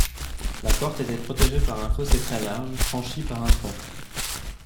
La porte était protégée par un fossé très large, franchi par un pont.